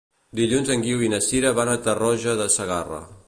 Dilluns en Guiu i na Sira van a Tarroja de Segarra.